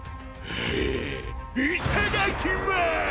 いただきます！